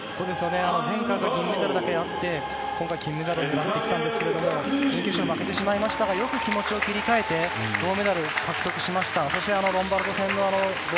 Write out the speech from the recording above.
前回、銀メダルだけあって今回、金メダルを狙ってきたんですが一度負けてしまいましたがよく気持ちを切り替えて銅メダルを獲得しました。